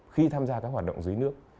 khi tham gia các hoạt động dưới nước